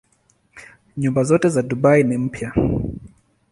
Nyumba zote za Dubai ni mpya.